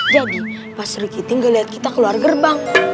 jadi pasik ginti nggak lihat kita keluar gerbang